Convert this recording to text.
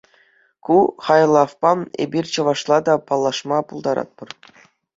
Ку хайлавпа эпир чӑвашла та паллашма пултаратпӑр.